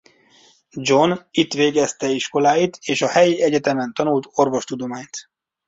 John itt végezte iskoláit és a helyi egyetemen tanult orvostudományt.